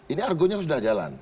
ini argonya sudah jalan